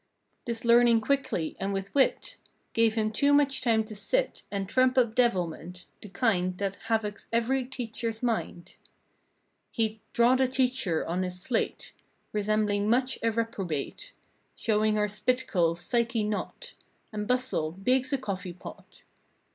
This learning quickly and with wit Gave him too much time to sit And trump up devilment. The kind That havocs every teachers mind. He'd "draw the teacher" on his slate. Resembling much a reprobate. Show her spit curls—psyche knot And bustle, big's a coffee pot.